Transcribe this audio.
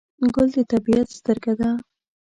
ګل د طبیعت سترګه ده.